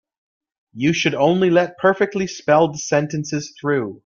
You should only let perfectly spelled sentences through.